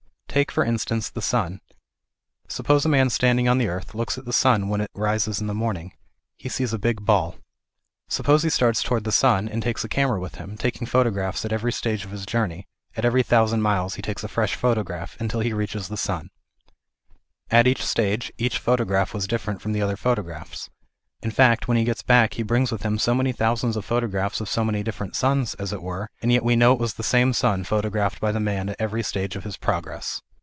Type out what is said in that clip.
Take for instance the sun. Suppose a man standing on the earth looks at the sun when it rises in the morning ; he sees a big ball. Suppose he starts towards the sun and takes a camera with him, taking photographs at every stage of his journey, at every thousand miles he takes a fresh photograph, until he reaches the sun. At each stage, each photograph was different from the other photographs ; in fact when he gets 312 THE IDEAL OF A UNIVERSAL RELIGION. back he brings with him so many thousands of photograph of so many different suns, as it were, and yet we know it was the same sun photographed by the man at every sta|*e of his progress.